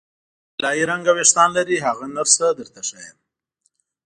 طلايي رنګه وریښتان لري، هغه نرسه درته ښیم.